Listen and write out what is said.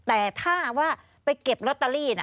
แต่ถ้าว่าไปเก็บลอตเตอรี่